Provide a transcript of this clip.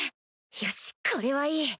よしこれはいい